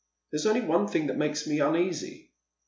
" There's only one thing that makes me uneasy."